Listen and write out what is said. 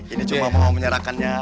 ini cuma mau menyerahkannya